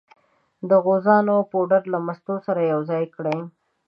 د غوزانو پوډر له مستو سره یو ځای کړئ.